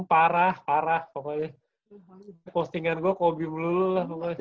parah parah pokoknya postingan gue kobe melululah pokoknya